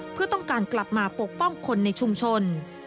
เพื่อต้องการกลับมาปกป้องคนในชุมชน